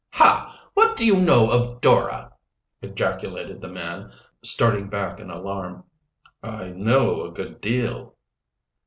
"Ha! what do you know of Dora!" ejaculated the man, starting back in alarm. "I know a good deal."